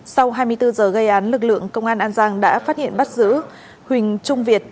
sau hai mươi bốn giờ gây án lực lượng công an an giang đã phát hiện bắt giữ huỳnh trung việt